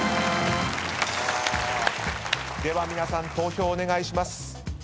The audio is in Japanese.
では皆さん投票お願いします。